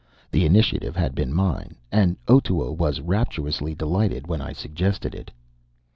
The initiative had been mine; and Otoo was rapturously delighted when I suggested it.